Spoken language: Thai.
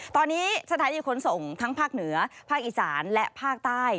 ตอนนี้สถานีขนส่งทั้งภาคเหนือภาคอีสานและภาคใต้